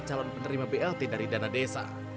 calon penerima blt dari dana desa